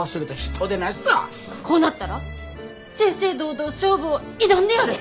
こうなったら正々堂々勝負を挑んでやる！